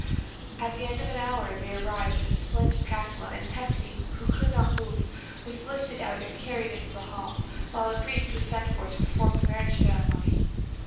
At the end of an hour they arrived at a splendid castle, and Tephany, who would not move, was lifted out and carried into the hall, while a priest was sent for to perform the marriage ceremony.